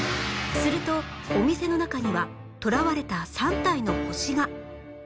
するとお店の中にはとらわれた３体の星が